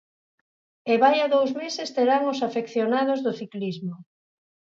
E vaia dous meses terán os afeccionados do ciclismo.